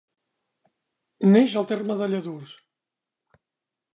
Neix al terme de Lladurs.